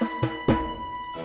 masih bernasib baik